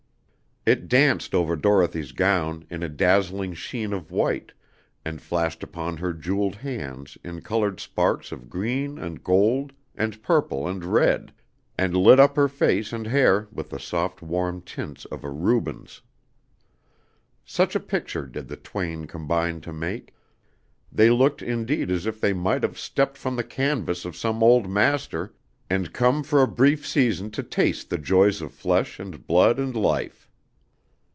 It danced over Dorothy's gown in a dazzling sheen of white, and flashed upon her jeweled hands in colored sparks of green and gold and purple and red, and lit up her face and hair with the soft warm tints of a Rubens. Such a picture did the twain combine to make; they looked indeed as if they might have stepped from the canvas of some old master and come for a brief season to taste the joys of flesh and blood and life.